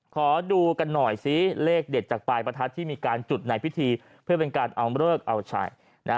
ขอดูกันหน่อยซิเลขเด็ดจากปลายประทัดที่มีการจุดในพิธีเพื่อเป็นการเอาเลิกเอาชัย